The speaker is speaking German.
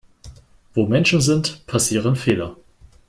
Wo Menschen sind, passieren Fehler.